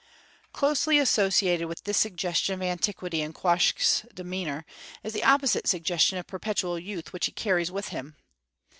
Closely associated with this suggestion of antiquity in Quoskh's demeanor is the opposite suggestion of perpetual youth which he carries with him.